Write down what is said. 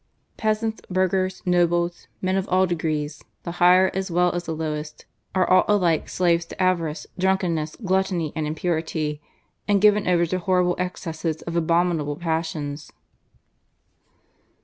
Peasants, burghers, nobles, men of all degrees, the higher as well as the lowest are all alike slaves to avarice, drunkenness, gluttony, and impurity, and given over to horrible excesses of abominable passions."